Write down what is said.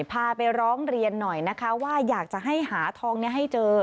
พาไปร้องเรียนหน่อยนะคะว่าอยากจะให้หาทองนี้ให้เจอ